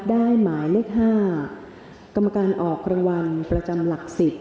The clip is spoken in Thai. หมายเลข๕กรรมการออกรางวัลประจำหลัก๑๐